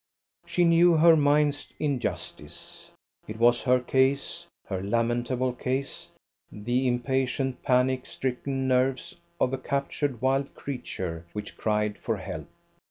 She knew her mind's injustice. It was her case, her lamentable case the impatient panic stricken nerves of a captured wild creature which cried for help.